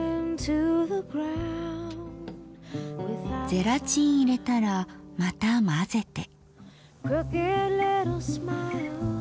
ゼラチン入れたらまた混ぜて。